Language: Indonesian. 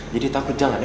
jadi takut jangan ya